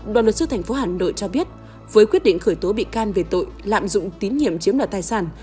đoàn luật sư thành phố hà nội cho biết với quyết định khởi tố bị can về tội lạm dụng tín nhiệm chiếm đoạt tài sản